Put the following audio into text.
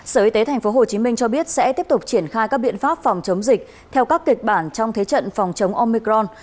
sở y tế tp hcm cho biết sẽ tiếp tục triển khai các biện pháp phòng chống dịch theo các kịch bản trong thế trận phòng chống omicron